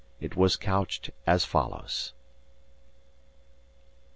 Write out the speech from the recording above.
It was couched as follows: IX.